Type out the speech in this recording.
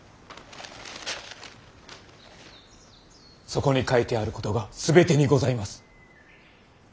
そこに書いてあることが全てにございます。